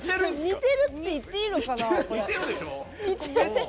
似てるって言っていいのかな。